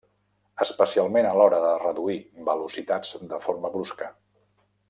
Especialment a l'hora de reduir velocitats de forma brusca.